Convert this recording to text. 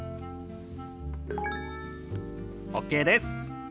ＯＫです。